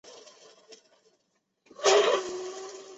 峨眉轮环藤为防己科轮环藤属轮环藤下的一个变型。